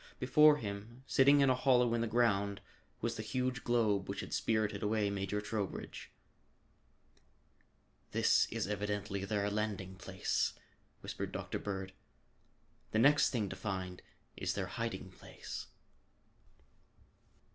Before him, sitting in a hollow in the ground, was the huge globe which had spirited away Major Trowbridge. "This is evidently their landing place," whispered Dr. Bird. "The next thing to find is their hiding place."